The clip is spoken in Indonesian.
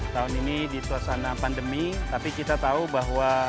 tahun ini di suasana pandemi tapi kita tahu bahwa